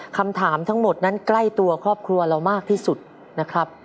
คำถามทั้งหมดนั้นใกล้ตัวครอบครัวเรามากที่สุดนะครับ